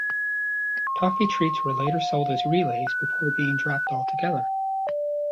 Toffee Treets were later sold as Relays, before being dropped altogether.